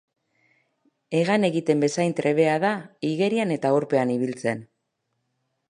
Hegan egiten bezain trebea da igerian eta urpean ibiltzen.